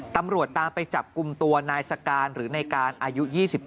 ตามไปจับกลุ่มตัวนายสการหรือในการอายุ๒๗